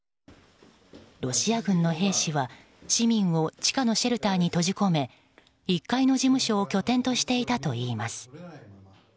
ロシア軍の兵士は市民を地下のシェルターに閉じ込め１階の事務所を拠点としていたといいます。